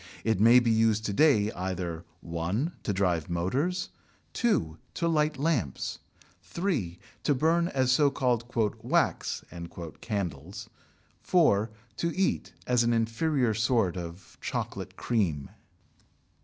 It may be used to day either (1) to drive motors, (2) to light lamps, (3) to burn as so called "wax" candles, (4) to eat (as an inferior sort of chocolate cream).